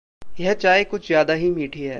यह चाय कुछ ज़्यादा ही मीठी है।